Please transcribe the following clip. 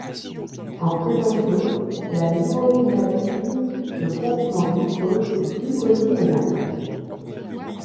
En présence d'eau, la myrosinase clive le groupement glucose du glucosinolate.